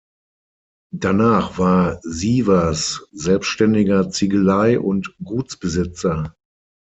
Danach war Sievers selbständiger Ziegelei- und Gutsbesitzer.